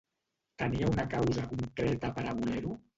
Tenia una causa concreta per a voler-ho?